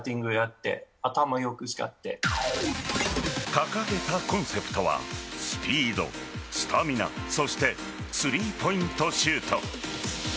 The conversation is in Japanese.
掲げたコンセプトはスピード、スタミナそしてスリーポイントシュート。